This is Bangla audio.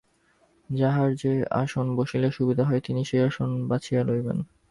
যাঁহার যে আসনে বসিলে সুবিধা হয়, তিনি সেই আসন বাছিয়া লইবেন।